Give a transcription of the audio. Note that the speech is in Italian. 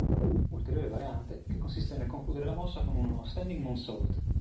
Ulteriore variante, che consiste nel concludere la mossa con uno "Standing Moonsault".